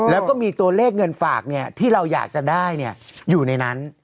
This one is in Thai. แล้วก็มีตัวเลขเงินฝากที่เราอยากจะได้อยู่ในนั้น